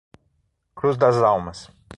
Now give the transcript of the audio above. Cruz das Almas